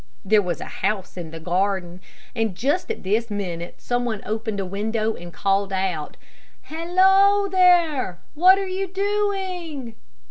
There was a house in the garden, and just at this minute some one opened a window and called out: "Hallo, there, what are you doing?"